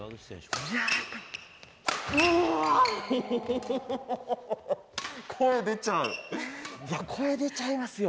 いや、声出ちゃいますよ。